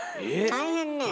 大変ねえ。